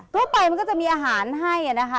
ทั่วไปมันก็จะมีอาหารให้นะคะ